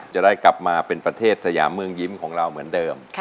จะได้กลับมาเป็นประเทศสยามเมืองยิ้มของเราเหมือนเดิม